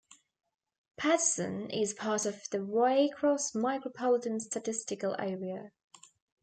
Patterson is part of the Waycross Micropolitan Statistical Area.